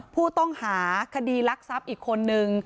ผู้ต้องหาคดีรักทรัพย์อีกคนนึง